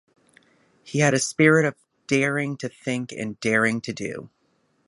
He had a spirit of daring to think and daring to do.